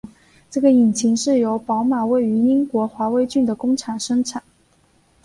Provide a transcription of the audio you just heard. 这个引擎是由宝马位于英国华威郡的工厂生产。